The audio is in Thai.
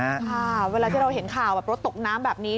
ค่ะเวลาที่เราเห็นข่าวแบบรถตกน้ำแบบนี้